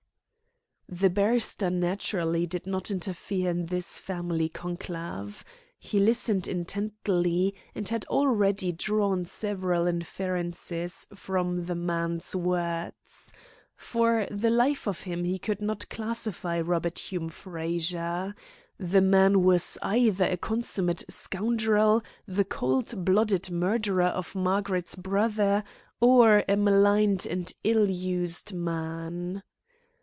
The barrister naturally did not interfere in this family conclave. He listened intently, and had already drawn several inferences from the man's words. For the life of him he could not classify Robert Hume Frazer. The man was either a consummate scoundrel, the cold blooded murderer of Margaret's brother, or a maligned and ill used man.